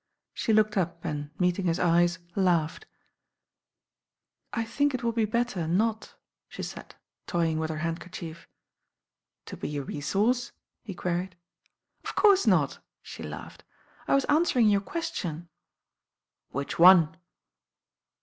She looked up and, meeting his eyes, laughed. "I think it will be better not," she said, toying with her handkerchief. "To be a resource?" he queried. H too THE RAIN OIRL "Of course not," the laughed. "I wii aniwcring your queition." "Which one?"